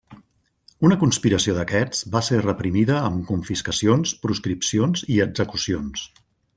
Una conspiració d'aquests va ser reprimida amb confiscacions, proscripcions i execucions.